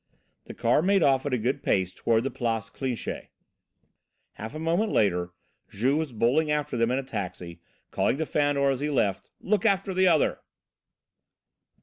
The car made off at a good pace toward the Place Clichy. Half a moment later Juve was bowling after them in a taxi, calling to Fandor as he left: "Look after the other."